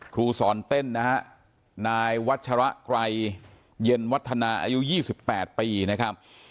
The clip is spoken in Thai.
ครูสอนเต้นนะฮะนายวัชระไกรเย็นวัฒนาอายุ๒๘ปีนะครับ